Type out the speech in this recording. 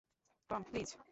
Tom, please!